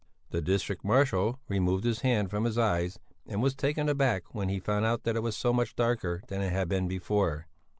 The district marshal removed his hand from his eyes and was taken aback when he found that it was so much darker than it had been before.